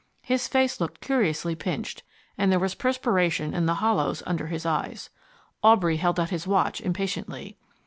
His face looked curiously pinched, and there was perspiration in the hollows under his eyes. Aubrey held out his watch impatiently.